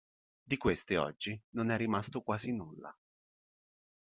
Di queste oggi non è rimasto quasi nulla.